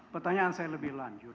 pertanyaan saya lebih lanjut